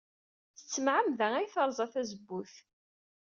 S tmeɛmada ay terẓa tazewwut.